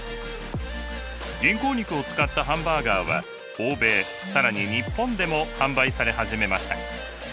人工肉を使ったハンバーガーは欧米更に日本でも販売され始めました。